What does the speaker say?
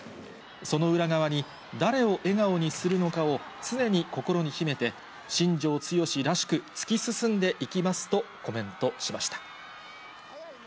その裏側に、誰を笑顔にするのかを常に心に秘めて、新庄剛志らしく突き進んで生きますとコメントしました。